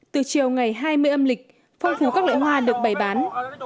từ chiều ngày hai mươi âm lịch phong phú các loại hoa được bày bán